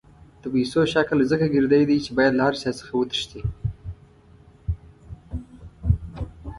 د پیسو شکل ځکه ګردی دی چې باید له هر چا څخه وتښتي.